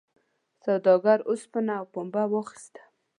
سوداګر اوسپنه او پنبه واخیسته.